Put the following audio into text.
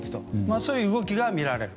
そういう動きがみられる。